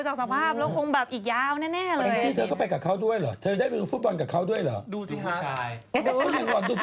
เธอก็ไปกับเขาด้วยหรอโฟตบอลด้วยเหรอ